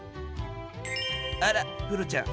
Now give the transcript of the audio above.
あらプロちゃん